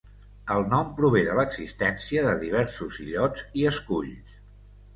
El nom prové de l'existència de diversos illots i esculls.